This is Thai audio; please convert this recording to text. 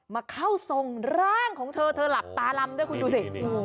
มาเข้าทรงร่างของเธอเธอหลับตาลำด้วยคุณดูสิ